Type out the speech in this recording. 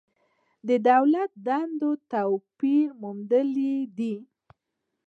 د دولت دندې توپیر موندلی دی.